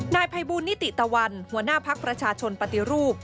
นายภัยบูลนิติตะวันหัวหน้าภักดิ์ประชาชนปฏิรูป